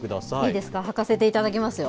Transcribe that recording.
いいですか、履かせていただきますよ。